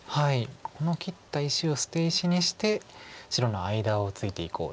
この切った石を捨て石にして白の間をついていこうという。